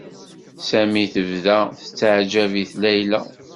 Sami tebda tettaɛjab-it Layla.